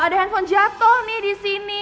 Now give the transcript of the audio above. ada handphone jatuh nih di sini